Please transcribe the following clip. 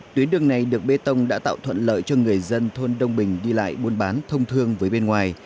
tuyến đường này được bê tông đã tạo thuận lợi cho người dân thôn đông bình đi lại buôn bán thông thương với bên ngoài